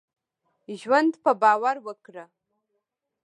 ژوند په باور وکړهٔ.